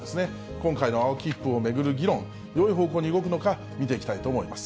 今回の青切符を巡る議論、よい方向に動くのか見ていきたいと思います。